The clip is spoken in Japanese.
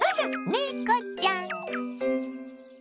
猫ちゃん！